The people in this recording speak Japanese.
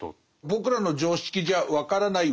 僕らの常識じゃ分からない